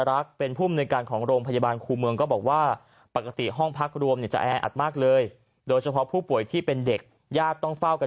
อันนี้ดีอันนี้น่าชื่นชมมาก